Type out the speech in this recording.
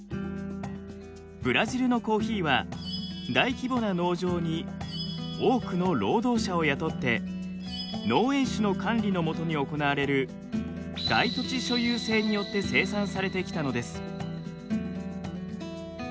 ブラジルのコーヒーは大規模な農場に多くの労働者を雇って農園主の管理の下に行われる大土地所有制によって生産されてきたのです。